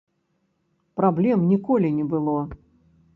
Праблем ніколі не было.